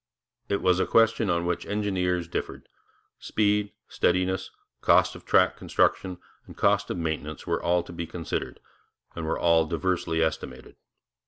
It was a question on which engineers differed. Speed, steadiness, cost of track construction, and cost of maintenance were all to be considered, and were all diversely estimated.